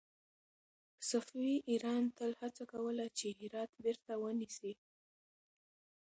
صفوي ایران تل هڅه کوله چې هرات بېرته ونيسي.